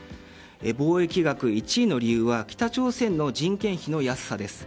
貿易額１位の理由は北朝鮮の人件費の安さです。